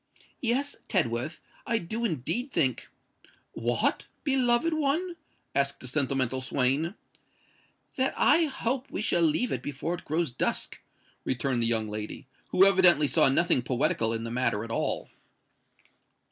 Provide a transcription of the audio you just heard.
"Yes, Tedworth—I do indeed think——" "What? beloved one!" asked the sentimental swain. "That I hope we shall leave it before it grows dusk," returned the young lady, who evidently saw nothing poetical in the matter at all.